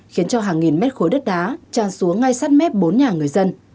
khiến cho hàng nghìn mét khối đất đá tràn xuống ngay sát mép bốn nhà người dân